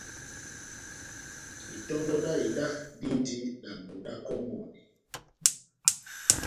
Itɔndɔ dá ida dindi dambi da kɔmɔni